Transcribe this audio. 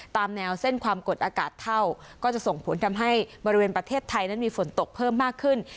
ตามแนวเส้นความกดอากาศเท่าก็จะส่งผลทำให้บริเวณประเทศไทยนั้นมีฝนตกเพิ่มมากขึ้น